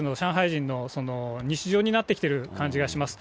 人の日常になってきている感じがします。